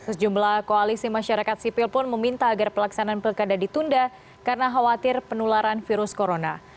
sejumlah koalisi masyarakat sipil pun meminta agar pelaksanaan pilkada ditunda karena khawatir penularan virus corona